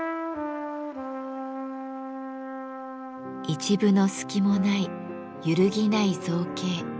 一分の隙もない揺るぎない造形。